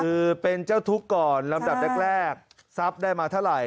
คือเป็นเจ้าทุกข์ก่อนลำดับแรกทรัพย์ได้มาเท่าไหร่